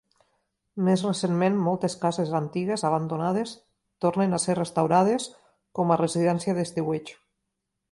Més recentment, moltes cases antigues abandonades tornen a ser restaurades com a residència estiueig.